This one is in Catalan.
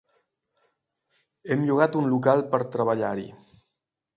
Hem llogat un local per treballar-hi.